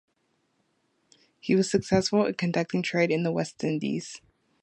He was successful in conducting trade in the West Indies.